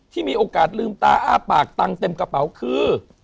ที่มีโอกาสลืมตาอ้าปากตังค์เต็มกระเป๋าคือ